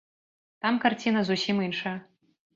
Там карціна зусім іншая.